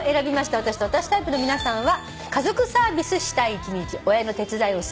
私と私タイプの皆さんは。